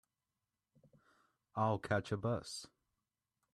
I'll catch a bus.